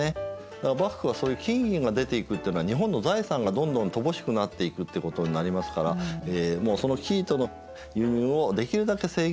だから幕府はそういう金・銀が出ていくってのは日本の財産がどんどん乏しくなっていくってことになりますからその生糸の輸入をできるだけ制限してですね